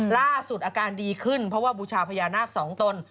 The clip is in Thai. ล่าสุดอาการดีขึ้นเพราะว่าบูชาพญานาคสองตน